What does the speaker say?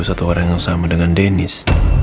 satu orang yang sama dengan dennis